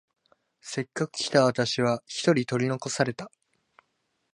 せっかく来た私は一人取り残された。